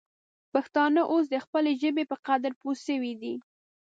پښتانه اوس د خپلې ژبې په قدر پوه سوي دي.